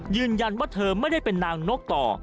ยืนยันว่าเธอไม่ได้เป็นนางนกต่อ